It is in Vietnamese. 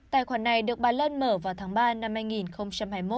tài khoản này được bà lan mở vào tháng ba năm hai nghìn hai mươi một